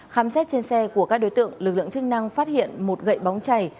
khám xét trên xe của các đối tượng lực lượng chức năng phát hiện một gậy bóng chảy